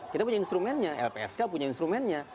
kita punya instrumennya lpsk punya instrumennya